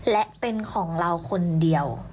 และเป็นของเราคนเดียว